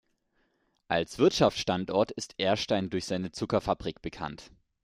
Als Wirtschaftsstandort ist Erstein durch seine Zuckerfabrik bekannt.